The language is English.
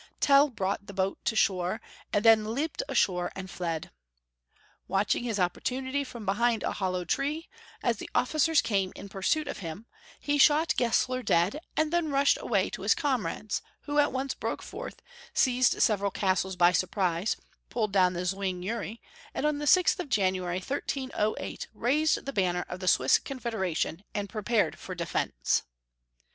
Tell brought the boat to shore, and then leaped ashore and fled. Watching his opportunity from behind a hollow tree, as the officers came in persuit of him, he shot Gesler dead, then rushed away to his comrades, who at once broke forth, seized several castles by surprise, pulled down Zwing Uri, and on the 6th of January, 1308, raised the banner of the Swiss Confederation, and prepared for defence.